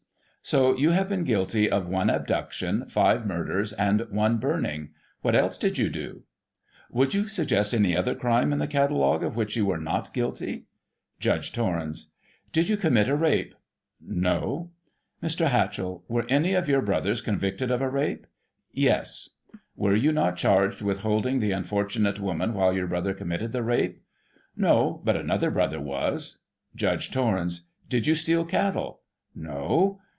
So you have been guilty of one abduction, five murders, and one burning ; what else did you do ? Would you suggest any other crime in the catalogue, of which you were not guilty ? Judge Torrens : Did you commit a rape ?— No. Mr. Hatchell : Were any of your brothers convicted of a rape ?— ^Yes. ' Were you not charged with holding the unfortunate woman while your brother committed the rape? — No, but another brother was. Judge Torrens : Did you steal cattle ?— No.